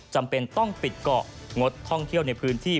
จำเป็นต้องปิดเกาะงดท่องเที่ยวในพื้นที่